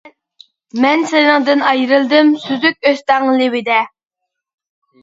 مەن سېنىڭدىن ئايرىلدىم، سۈزۈك ئۆستەڭ لېۋىدە.